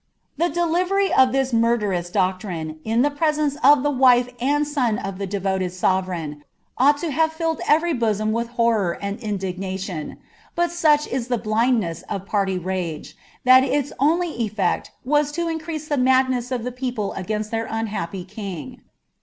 ' The delivery of this nui^ Jerous doctrine, in the presence of the wife and eon of the iletoied sovereign, ought lohuve filled every bosom with horror and iadi^aaiioBi but such is the blindness of party rage, that its only edect wu to uicnHi the madness of the people agahisi their unhappy king.